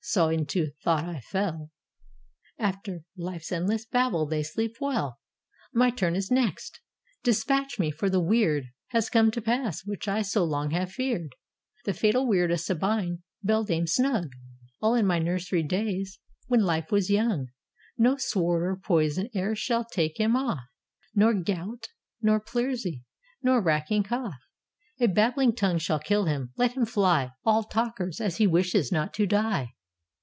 (so into thought I fell) After hfe's endless babble they sleep well: My turn is next: dispatch me: for the weird Has come to pass which I so long have feared, The fatal weird a Sabine beldame sung, All in my nursery days, when life was young : "No sword or poison e'er shall take him off, Nor gout, nor pleurisy, nor racking cough: A babbHng tongue shall kill him : let him fly All talkers, as he wishes not to die."